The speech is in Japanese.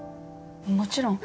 もちろん。